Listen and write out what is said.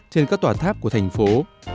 trên các tòa tháp của thành phố